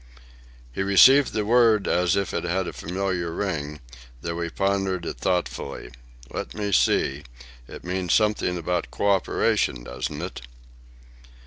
He received the word as if it had a familiar ring, though he pondered it thoughtfully. "Let me see, it means something about coöperation, doesn't it?"